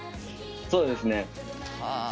そうですね。